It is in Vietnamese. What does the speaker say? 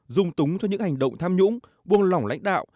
dung túng cho những hành động tham nhũng buông lỏng lãnh đạo